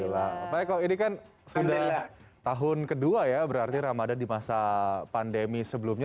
alhamdulillah pak eko ini kan sudah tahun kedua ya berarti ramadan di masa pandemi sebelumnya